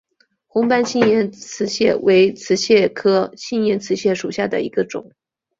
红斑新岩瓷蟹为瓷蟹科新岩瓷蟹属下的一个种。